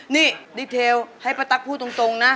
นี่เดทัลให้ประตั๊กพูดตรงนะ